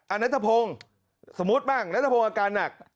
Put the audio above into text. อันนั้นสมมุติบ้างนัดสมมุติอาการหนัก